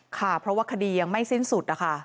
ค่ะเพราะว่าคดียังไม่สิ้นสุดนะคะ